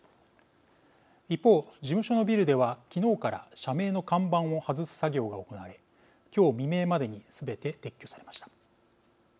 一方、事務所のビルでは昨日から社名の看板を外す作業が行われ今日未明までにすべて撤去されました。